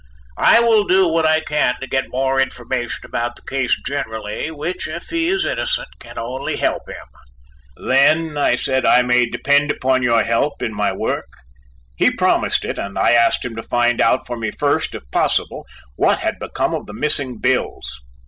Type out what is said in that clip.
I will do what I can to get more information about the case generally, which, if he is innocent, can only help him." "Then," I said, "I may depend upon your help in my work." He promised it, and I asked him to find out for me first, if possible, what had become of the missing bills.